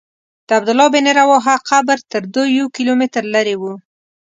د عبدالله بن رواحه قبر تر دوی یو کیلومتر لرې و.